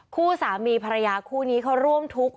คู่สามีภรรยาคู่นี้เขาร่วมทุกข์